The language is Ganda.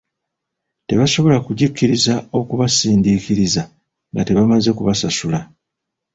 Tebasobola kugikkiriza okubasindiikiriza nga temaze kubasasula.